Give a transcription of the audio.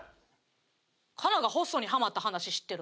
カナがホストにハマった話知ってる？